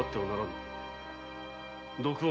「ならぬ」と？